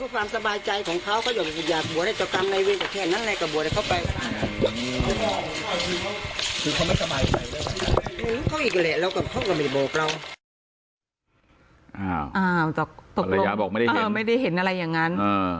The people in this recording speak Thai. อ๋อภรรยาบอกไม่ได้เห็นไม่ได้เห็นอะไรอย่างนั้น